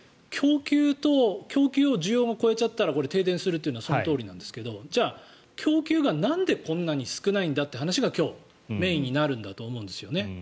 供給を需要が超えちゃったら停電するというのはそのとおりなんですがじゃあ、供給がなんでこんなに少ないんだという話が今日、メインになるんだと思うんです。